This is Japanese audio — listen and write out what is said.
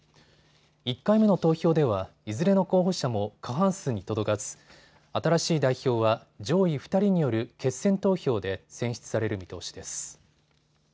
１回目の投票ではいずれの候補者も過半数に届かず新しい代表は上位２人による決選投票で選出される見通しです。